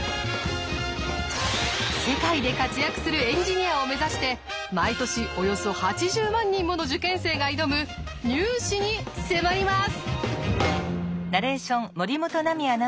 世界で活躍するエンジニアを目指して毎年およそ８０万人もの受験生が挑むニュー試に迫ります！